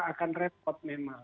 akan repot memang